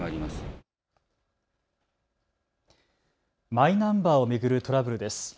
マイナンバーを巡るトラブルです。